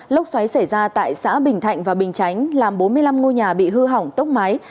lốc xoáy xảy ra tại xã bình thạnh và bình chánh làm bốn mươi năm ngôi nhà bị hư hỏng tốc mái